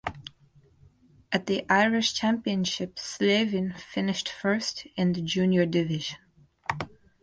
At the Irish Championships Slevin finished first in the junior division.